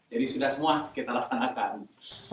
jadi sudah semua kita langsung akan